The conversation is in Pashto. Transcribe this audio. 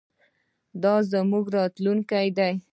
دا زموږ راتلونکی دی.